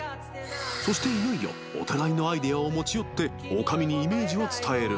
［そしていよいよお互いのアイデアを持ち寄って女将にイメージを伝える］